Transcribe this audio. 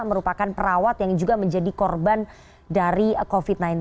merupakan perawat yang juga menjadi korban dari covid sembilan belas